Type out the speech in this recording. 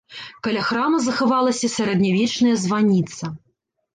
Каля храма захавалася сярэднявечная званіца.